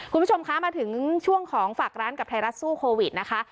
คุณผู้ชมคะมาถึงช่วงของฝากร้านกับไทยรัฐสู้โควิดนะคะ